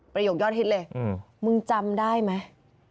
ประโยคยอดทิศเลยมึงจำได้ไหม